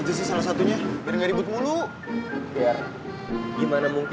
keju udah couple uang tersenduh